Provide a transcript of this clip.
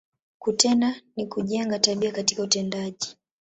Kutenda, ni kujenga, tabia katika utendaji.